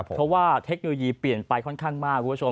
เพราะว่าเทคโนโลยีเปลี่ยนไปค่อนข้างมากคุณผู้ชม